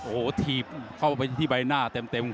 โอ้โหถีบเข้าไปที่ใบหน้าเต็ม